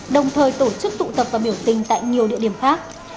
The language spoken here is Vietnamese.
đồng thời tổ chức tụ tập và biểu tình tại nhiều địa điểm khác